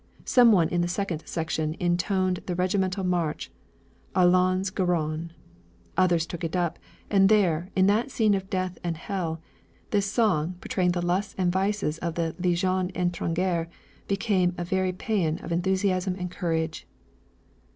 Some one in the second section intoned the regimental march, 'Allons, giron.' Others took it up; and there, in that scene of death and hell, this song portraying the lusts and vices of the Légion Étrangère became a very pæan of enthusiasm and courage.